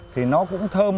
thì nó cũng thơm